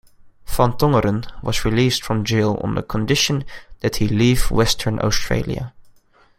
Van Tongeren was released from jail on the condition that he leave Western Australia.